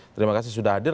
terima kasih sudah hadir